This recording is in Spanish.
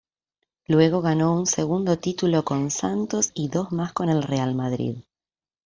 Luego ganó un segundo título con Santos y dos más con el Real Madrid.